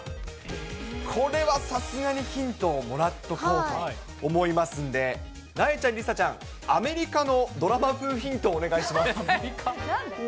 これはさすがにヒントをもらっとこうかと思いますんで、なえちゃん、梨紗ちゃん、アメリカのドラマ風ヒントをお願いします。